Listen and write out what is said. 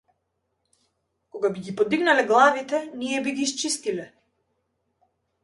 Кога би ги подигнале главите, ние би ги исчистиле!